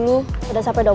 ihr tadi udah